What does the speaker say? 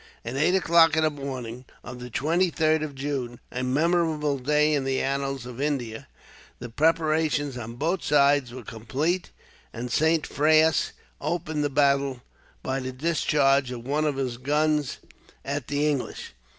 At eight o'clock in the morning, of the 23rd of June, a memorable day in the annals of India, the preparations on both sides were complete; and Saint Frais opened the battle, by the discharge of one of his guns at the English.